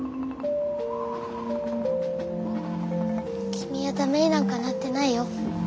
君は駄目になんかなってないよ。